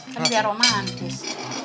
kan biar romantis